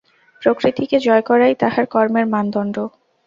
প্রকৃতিকে জয় করাই তাঁহার কর্মের মানদণ্ড।